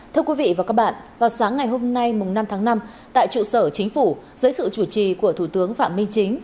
thưa quý vị và các bạn vào sáng ngày hôm nay năm tháng năm tại trụ sở chính phủ dưới sự chủ trì của thủ tướng phạm minh chính